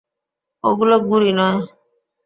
ওগুলো গুঁড়ি নয়।